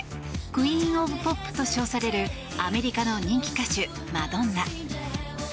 クイーン・オブ・ポップと称されるアメリカの人気歌手、マドンナ。